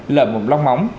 lẩm mồm long móng